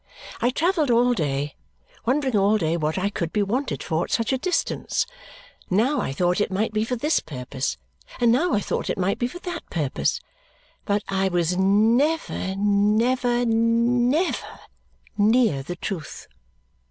I travelled all day, wondering all day what I could be wanted for at such a distance; now I thought it might be for this purpose, and now I thought it might be for that purpose, but I was never, never, never near the truth.